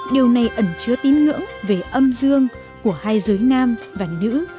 điều này ẩn chứa tín ngưỡng về âm dương của hai giới nam và nữ